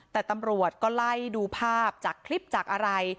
แต่ตำรวจก็ไล่ดูภาพจากคลิปจากอะไร